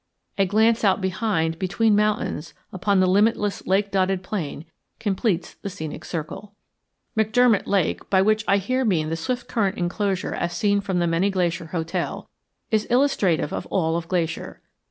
A glance out behind between mountains, upon the limitless lake dotted plain, completes the scenic circle. McDermott Lake, by which I here mean the Swiftcurrent enclosure as seen from the Many Glacier Hotel, is illustrative of all of Glacier.